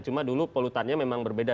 cuma dulu polutannya memang berbeda